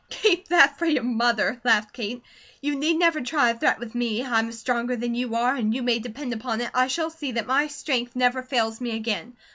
"Keep that for your mother," laughed Kate. "You need never try a threat with me. I am stronger than you are, and you may depend upon it I shall see that my strength never fails me again.